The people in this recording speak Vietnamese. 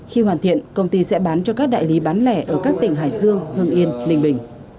khi hoàn thiện công ty sẽ bán cho các đại lý bán lẻ ở các tỉnh hải dương hưng yên linh bình